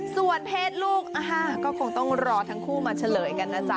ส่วนเพศลูกก็คงต้องรอทั้งคู่มาเฉลยกันนะจ๊ะ